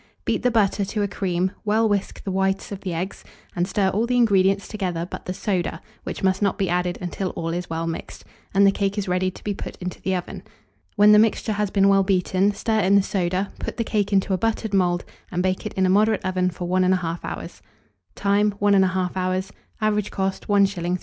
Beat the butter to a cream, well whisk the whites of the eggs, and stir all the ingredients together but the soda, which must not be added until all is well mixed, and the cake is ready to be put into the oven. When the mixture has been well beaten, stir in the soda, put the cake into a buttered mould, and bake it in a moderate oven for 1 1/2 hour. Time. 1 1/2 hour. Average cost, 1s. 3d.